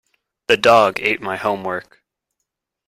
The dog ate my homework.